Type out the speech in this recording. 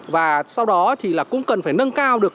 và sau đó thì là cũng cần phải nâng cao được